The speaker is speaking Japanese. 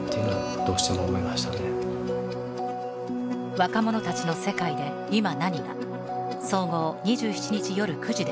若者たちの世界で今、何が。